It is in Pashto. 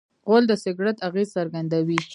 غول د سګرټ اغېز څرګندوي.